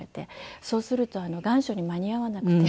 そうすると願書に間に合わなくて。